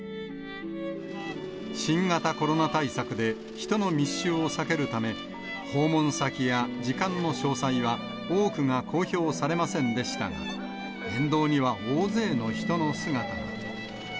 新型コロナ対策で、人の密集を避けるため、訪問先や時間の詳細は、多くが公表されませんでしたが、沿道には大勢の人の姿が。